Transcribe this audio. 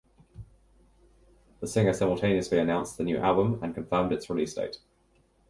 The singer simultaneously announced the new album and confirmed its release date.